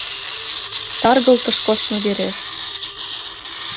«таргылтыш коштмо вереш»